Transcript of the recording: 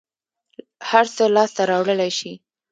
هر څه لاس ته راوړلى شې.